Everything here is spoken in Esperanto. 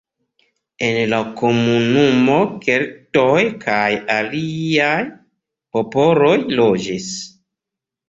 En la komunumo keltoj kaj aliaj popoloj loĝis.